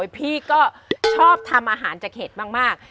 พี่ก็ชอบทำอาหารจากเห็ดมาก